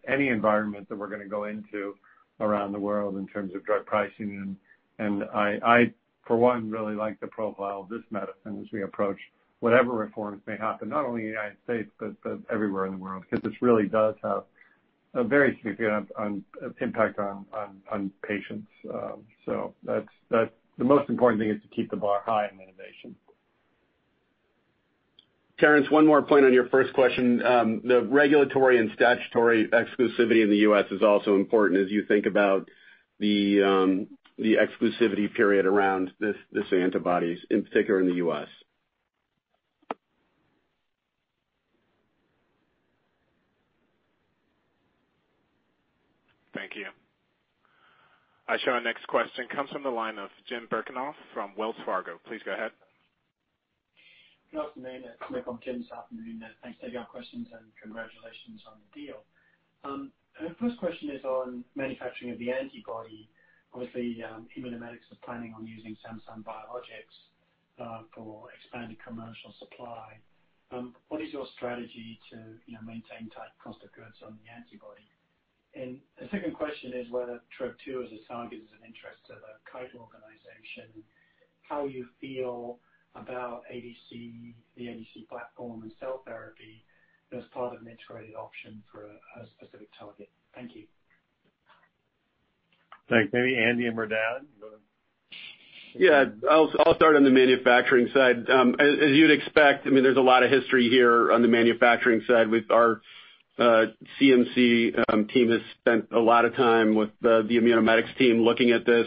any environment that we're going to go into around the world in terms of drug pricing. I, for one, really like the profile of this medicine as we approach whatever reforms may happen, not only in the U.S., but everywhere in the world, because this really does have a very significant impact on patients. The most important thing is to keep the bar high in innovation. Terence, one more point on your first question. The regulatory and statutory exclusivity in the U.S. is also important as you think about the exclusivity period around these antibodies, in particular in the U.S. Thank you. Our next question comes from the line of Jim Birchenough from Wells Fargo. Please go ahead. Good afternoon. It's Jim. Thanks for taking our questions and congratulations on the deal. The first question is on manufacturing of the antibody. Obviously, Immunomedics is planning on using Samsung Biologics for expanded commercial supply. What is your strategy to maintain tight cost of goods on the antibody? The second question is whether Trop-2 as a target is of interest to the Kite organization, how you feel about the ADC platform and cell therapy as part of an integrated option for a specific target. Thank you. Thanks. Maybe Andy and Merdad? Yeah. I'll start on the manufacturing side. As you'd expect, there's a lot of history here on the manufacturing side with our CMC team has spent a lot of time with the Immunomedics team looking at this.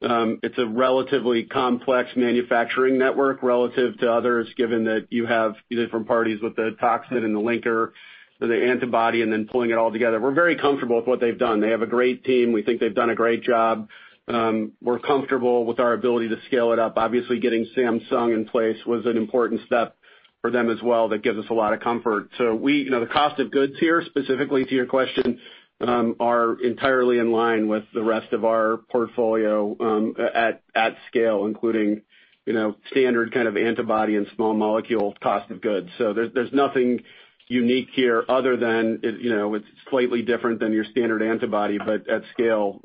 It's a relatively complex manufacturing network relative to others, given that you have different parties with the toxin and the linker to the antibody, and then pulling it all together. We're very comfortable with what they've done. They have a great team. We think they've done a great job. We're comfortable with our ability to scale it up. Obviously, getting Samsung in place was an important step for them as well. That gives us a lot of comfort. The cost of goods here, specifically to your question, are entirely in line with the rest of our portfolio at scale, including standard kind of antibody and small molecule cost of goods. There's nothing unique here other than it's slightly different than your standard antibody, but at scale,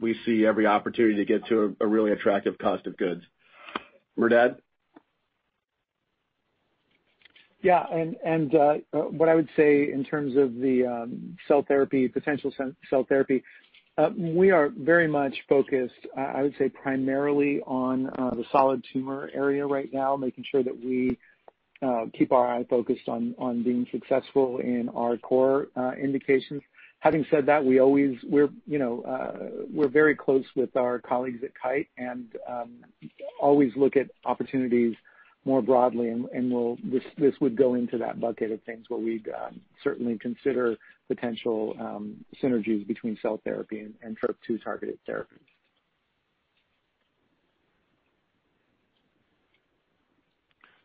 we see every opportunity to get to a really attractive cost of goods. Merdad? What I would say in terms of the potential cell therapy, we are very much focused, I would say, primarily on the solid tumor area right now, making sure that we keep our eye focused on being successful in our core indications. Having said that, we're very close with our colleagues at Kite and always look at opportunities more broadly, and this would go into that bucket of things where we'd certainly consider potential synergies between cell therapy and Trop-2-targeted therapies.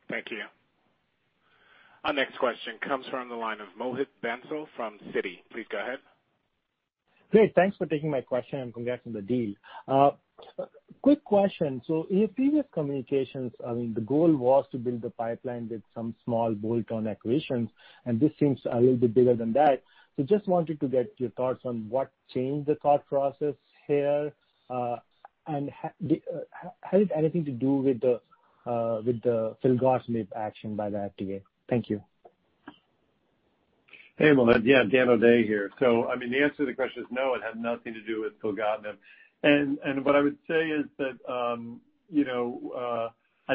Thank you. Our next question comes from the line of Mohit Bansal from Citigroup. Please go ahead. Great. Thanks for taking my question and congrats on the deal. Quick question. In your previous communications, the goal was to build the pipeline with some small bolt-on acquisitions, and this seems a little bit bigger than that. Just wanted to get your thoughts on what changed the thought process here, and had it anything to do with the filgotinib action by the FDA? Hey, Mohit. Yeah, Daniel O'Day here. The answer to the question is no, it had nothing to do with filgotinib. What I would say is that I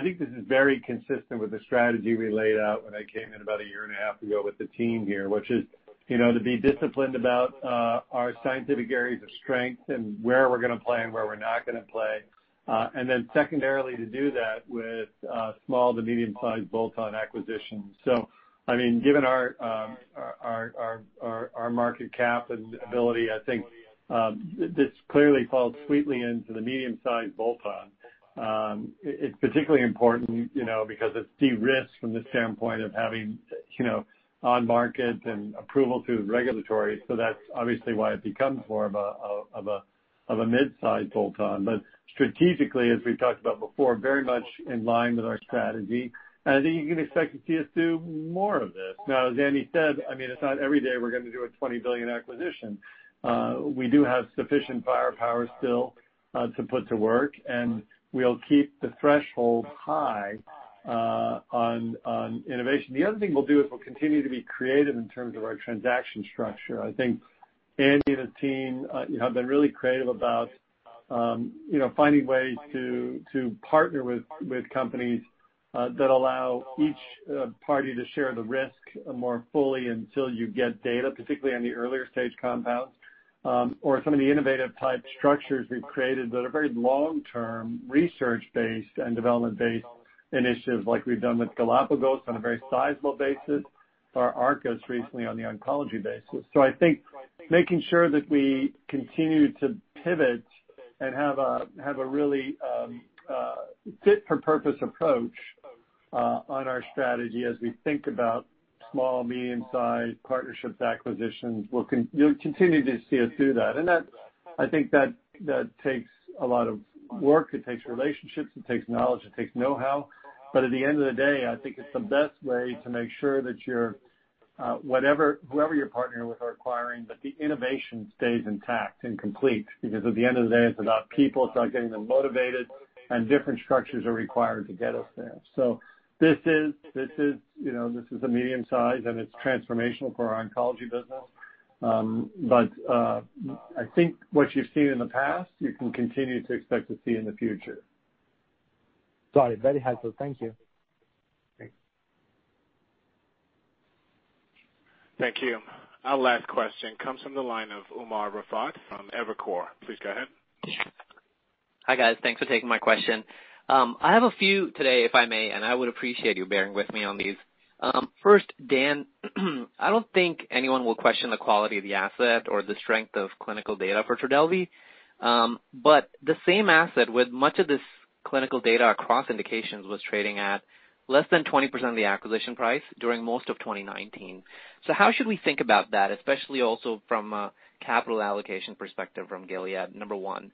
think this is very consistent with the strategy we laid out when I came in about a year and a half ago with the team here, which is to be disciplined about our scientific areas of strength and where we're going to play and where we're not going to play. Secondarily, to do that with small- to medium-sized bolt-on acquisitions. Given our market cap and ability, I think this clearly falls sweetly into the medium-sized bolt-on. It's particularly important, because it's de-risked from the standpoint of having on-market and approval to regulatory, so that's obviously why it becomes more of a mid-size bolt-on. Strategically, as we've talked about before, very much in line with our strategy. I think you can expect to see us do more of this. Now, as Andy said, it's not every day we're going to do a $20 billion acquisition. We do have sufficient firepower still to put to work, and we'll keep the threshold high on innovation. The other thing we'll do is we'll continue to be creative in terms of our transaction structure. I think Andy and the team have been really creative about finding ways to partner with companies that allow each party to share the risk more fully until you get data, particularly on the earlier stage compounds. Some of the innovative type structures we've created that are very long-term, research-based and development-based initiatives like we've done with Galapagos on a very sizable basis, or Arcus recently on the oncology basis. I think making sure that we continue to pivot and have a really fit-for-purpose approach on our strategy as we think about small, medium-sized partnerships, acquisitions. You'll continue to see us do that. I think that takes a lot of work. It takes relationships, it takes knowledge, it takes know-how. At the end of the day, I think it's the best way to make sure that whoever you're partnering with or acquiring, that the innovation stays intact and complete. At the end of the day, it's about people, it's about getting them motivated, and different structures are required to get us there. This is a medium size, and it's transformational for our oncology business. I think what you've seen in the past, you can continue to expect to see in the future. Got it. Very helpful. Thank you. Thanks. Thank you. Our last question comes from the line of Umer Raffat from Evercore. Please go ahead. Hi, guys. Thanks for taking my question. I have a few today, if I may, and I would appreciate you bearing with me on these. First, Dan, I don't think anyone will question the quality of the asset or the strength of clinical data for TRODELVY. The same asset with much of this clinical data across indications was trading at less than 20% of the acquisition price during most of 2019. How should we think about that, especially also from a capital allocation perspective from Gilead, number one.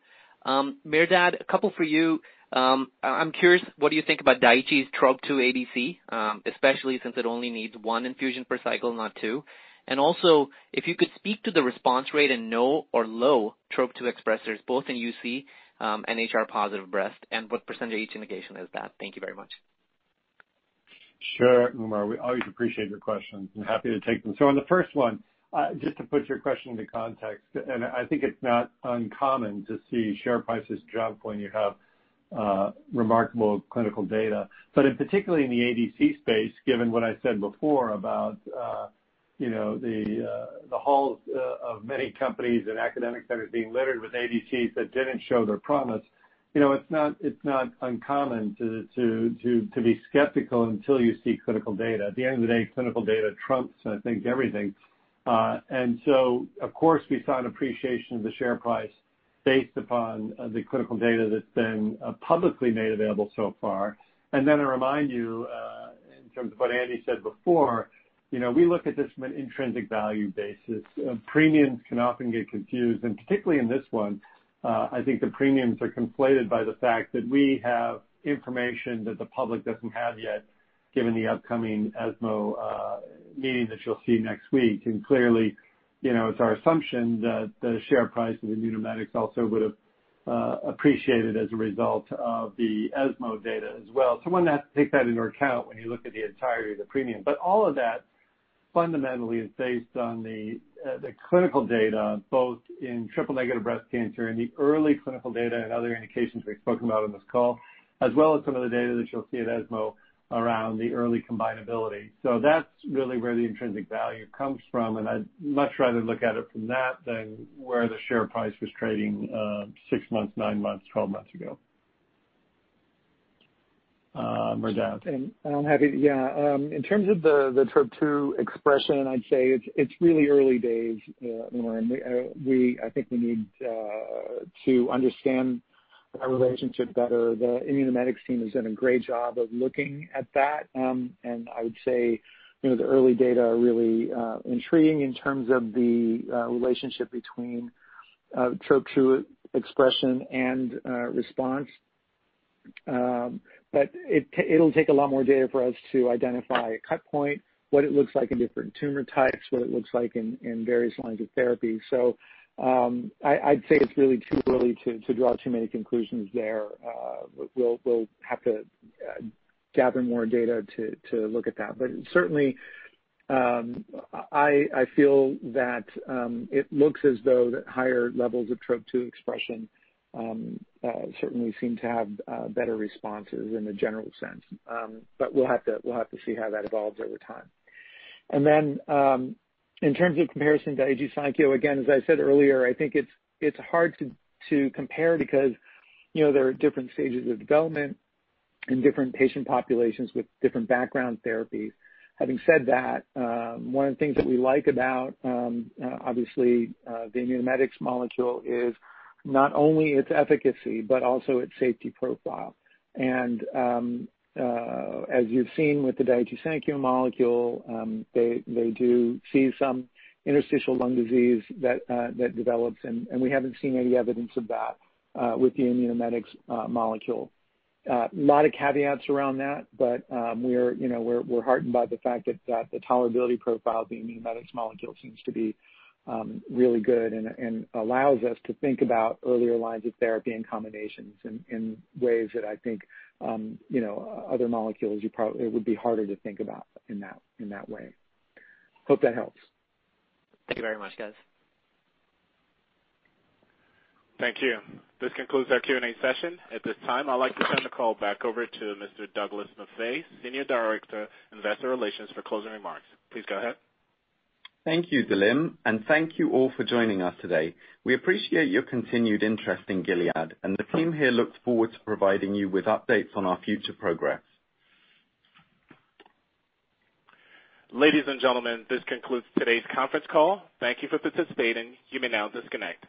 Merdad, a couple for you. I'm curious, what do you think about Daiichi's Trop-2 ADC, especially since it only needs one infusion per cycle, not two? Also, if you could speak to the response rate in no or low Trop-2 expressers, both in UC and HR-positive breast, and what percentage of each indication is that? Thank you very much. Sure, Umer. We always appreciate your questions, and happy to take them. On the first one, just to put your question into context, and I think it's not uncommon to see share prices jump when you have remarkable clinical data. Particularly in the ADC space, given what I said before about the halls of many companies and academic centers being littered with ADCs that didn't show their promise. It's not uncommon to be skeptical until you see clinical data. At the end of the day, clinical data trumps, I think, everything. Of course, we saw an appreciation of the share price based upon the clinical data that's been publicly made available so far. I remind you, in terms of what Andy said before, we look at this from an intrinsic value basis. Premiums can often get confused, and particularly in this one, I think the premiums are conflated by the fact that we have information that the public doesn't have yet given the upcoming ESMO meeting that you'll see next week. Clearly, it's our assumption that the share price of Immunomedics also would have appreciated as a result of the ESMO data as well. One has to take that into account when you look at the entirety of the premium. All of that fundamentally is based on the clinical data, both in Triple-Negative Breast Cancer and the early clinical data and other indications we've spoken about on this call, as well as some of the data that you'll see at ESMO around the early combinability. That's really where the intrinsic value comes from, and I'd much rather look at it from that than where the share price was trading six months, nine months, 12 months ago. Merdad. Yeah. In terms of the Trop-2 expression, I'd say it's really early days, Umer, and I think we need to understand. Our relationship better. The Immunomedics team has done a great job of looking at that. I would say the early data are really intriguing in terms of the relationship between Trop-2 expression and response. It'll take a lot more data for us to identify a cut point, what it looks like in different tumor types, what it looks like in various lines of therapy. I'd say it's really too early to draw too many conclusions there. We'll have to gather more data to look at that. Certainly, I feel that it looks as though that higher levels of Trop-2 expression certainly seem to have better responses in the general sense. We'll have to see how that evolves over time. In terms of comparison to Daiichi's Trop-2 ADC, again, as I said earlier, I think it's hard to compare because there are different stages of development and different patient populations with different background therapies. Having said that, one of the things that we like about obviously the Immunomedics molecule is not only its efficacy but also its safety profile. As you've seen with the Daiichi's Trop-2 ADC molecule, they do see some interstitial lung disease that develops, and we haven't seen any evidence of that with the Immunomedics molecule. A lot of caveats around that, but we're heartened by the fact that the tolerability profile of the Immunomedics molecule seems to be really good and allows us to think about earlier lines of therapy and combinations in ways that I think other molecules, it would be harder to think about in that way. Hope that helps. Thank you very much, guys. Thank you. This concludes our Q&A session. At this time, I'd like to turn the call back over to Mr. Douglas Maffei, Senior Director, Investor Relations, for closing remarks. Please go ahead. Thank you, Dilim, and thank you all for joining us today. We appreciate your continued interest in Gilead, and the team here looks forward to providing you with updates on our future progress. Ladies and gentlemen, this concludes today's conference call. Thank you for participating. You may now disconnect.